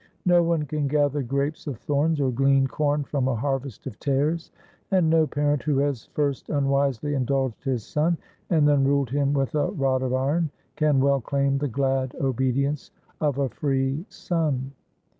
No one can gather grapes of thorns, or glean corn from a harvest of tares. And no parent who has first unwisely indulged his son, and then ruled him with a rod of iron, can well claim the glad obedience of a free son.